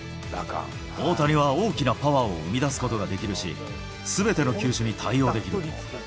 大谷は大きなパワーを生み出すことができるし、すべての球種に対応できる。